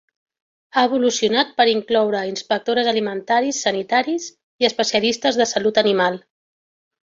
Ha evolucionat per incloure inspectores alimentaris sanitaris i especialistes de salut animal.